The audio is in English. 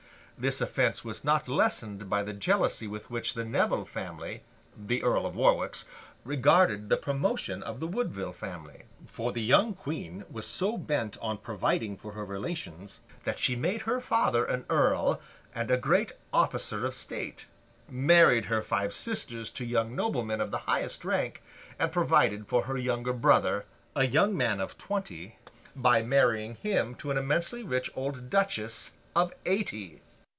This offence was not lessened by the jealousy with which the Nevil family (the Earl of Warwick's) regarded the promotion of the Woodville family. For, the young Queen was so bent on providing for her relations, that she made her father an earl and a great officer of state; married her five sisters to young noblemen of the highest rank; and provided for her younger brother, a young man of twenty, by marrying him to an immensely rich old duchess of eighty.